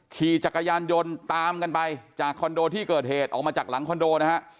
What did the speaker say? ขี่จักรยานยนต์ตามกันไปจากคอนโดที่เกิดเหตุออกมาจากหลังคอนโดนะฮะ